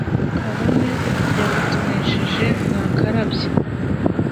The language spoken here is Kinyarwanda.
kabone yagutonesheje mwakarabye